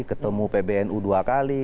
ketemu pbnu dua kali